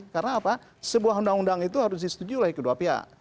karena apa sebuah undang undang itu harus disetujui oleh kedua pihak